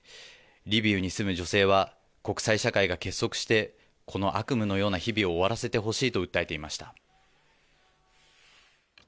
リビウに住む女性は、国際社会が結束して、この悪夢のような日々を終わらせてほしいと訴えていました。